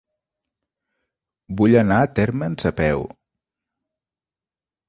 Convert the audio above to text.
Vull anar a Térmens a peu.